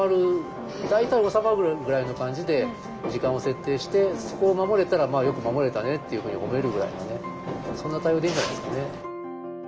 大体収まるぐらいの感じで時間を設定してそこを守れたらよく守れたねっていうふうに褒めるぐらいがねそんな対応でいいんじゃないですかね。